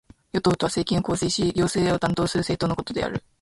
与党とは、政権を構成し行政を担当する政党のことである。